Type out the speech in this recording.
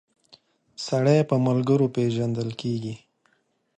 سړی په ملګرو پيژندل کیږی